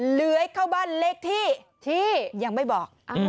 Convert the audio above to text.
เหลือยเข้าบ้านเลขที่ที่ยังไม่บอก